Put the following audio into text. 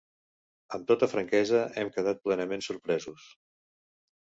Amb tota franquesa, hem quedat plenament sorpresos.